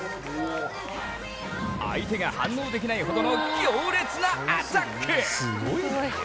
相手が反応できないほどの強烈なアタック。